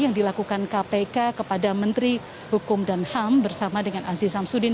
yang dilakukan kpk kepada menteri hukum dan ham bersama dengan aziz samsudin